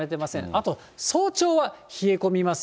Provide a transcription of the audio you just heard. あと早朝は冷え込みます。